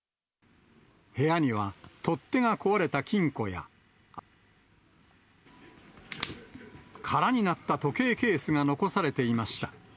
部屋には取っ手が壊れた金庫や、空になった時計ケースが残されていました。